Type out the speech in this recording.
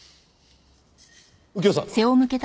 右京さん！